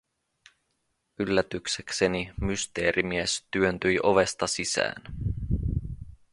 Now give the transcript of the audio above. Yllätyksekseni Mysteerimies työntyi ovesta sisään.